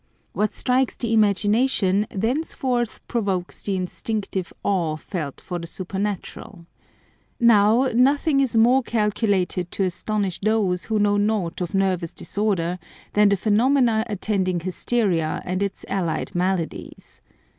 What strikes the imagination thenceforth provokes the instinctive awe felt for the supernatural. Now nothing is more calculated to astonish those who know naught of nervous disorder than the phenomena attending hysteria and its allied maladies.